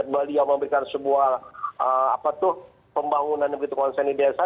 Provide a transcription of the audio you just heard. beliau memberikan sebuah pembangunan yang begitu konsen di desa